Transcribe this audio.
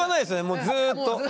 もうずっと。